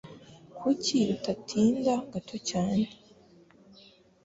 Kuki utatinda gato cyane?